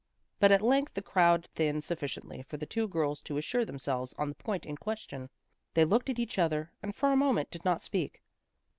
But at length the crowd thinned sufficiently for the two girls to assure A PATHETIC STORY 243 themselves on the point in question. They looked at each other, and for a moment did not speak.